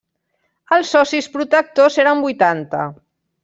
Els socis protectors eren vuitanta.